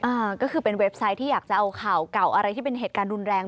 อ่าก็คือเป็นเว็บไซต์ที่อยากจะเอาข่าวเก่าอะไรที่เป็นเหตุการณ์รุนแรง